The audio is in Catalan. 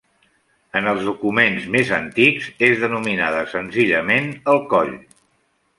En els documents més antics és denominada, senzillament, el Coll.